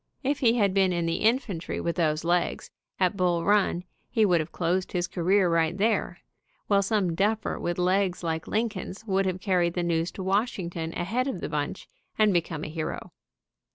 If he had been in the infantry with those legs, at Bull Run, he would have closed his career right there, while some duffer with legs like Lincoln's would have carried the news to Washington ahead of the bunch and become a hero.